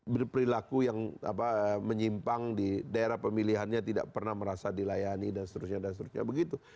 berperilaku yang menyimpang di daerah pemilihannya tidak pernah merasa dilayani dan seterusnya dan seterusnya begitu